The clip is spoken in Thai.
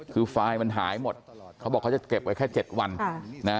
คือไฟล์มันหายหมดเขาบอกเขาจะเก็บไว้แค่๗วัน